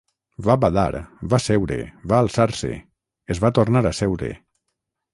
Va badar, va seure, va alçar-se, es va tornar a seure